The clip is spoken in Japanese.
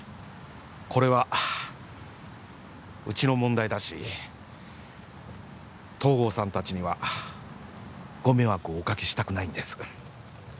これはうちの問題だし東郷さん達にはご迷惑をおかけしたくないんです